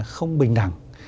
không bình đẳng